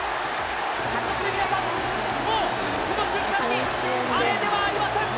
皆さん、もうこの瞬間にアレではありません！